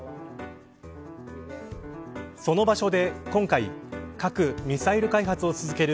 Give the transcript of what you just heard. その場所で今回核・ミサイル開発を続ける